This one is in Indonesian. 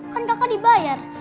kan kakak dibayar